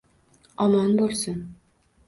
Omon bo’lsin